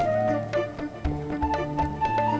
untuk dulu kan